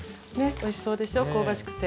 おいしそうでしょ香ばしくて。